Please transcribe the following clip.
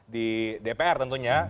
di dpr tentunya